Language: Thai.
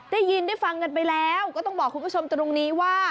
ได้ยินได้ฟังกันไปแล้วก็ต้องบอกคุณผู้ชมตรงนี้ว่า